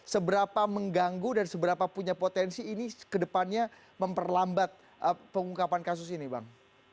seberapa mengganggu dan seberapa punya potensi ini kedepannya memperlambat pengungkapan kasus ini bang